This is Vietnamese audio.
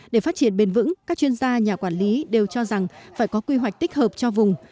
để phát triển bền vững các chuyên gia nhà quản lý đều cho rằng phải có quy hoạch tích hợp cho vùng